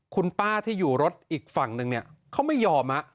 คุณป้าที่อยู่รถอีกฝั่งนึงเธอไม่ยอม